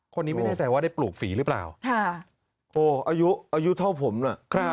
คนนี้ไม่แน่ใจว่าได้ปลูกฝีหรือเปล่าโอ้อายุอายุเท่าผมน่ะ